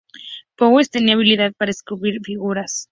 Powers tenía habilidad para esculpir figuras.